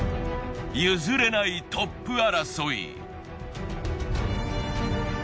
譲れないトップ争い。